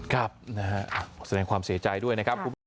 ครับอ่ะส่วนความเสียใจด้วยนะครับ